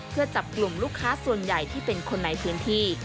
เพื่อจับกลุ่มลูกค้าส่วนใหญ่ที่เป็นคนในพื้นที่